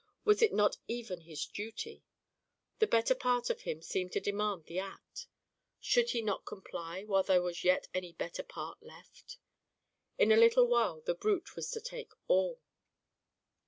Was it not even his duty? The better part of him seemed to demand the act; should he not comply while there yet was any better part left? In a little while the brute was to take all.